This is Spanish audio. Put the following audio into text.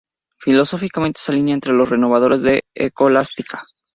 Filosóficamente se alinea entre los renovadores de la Escolástica.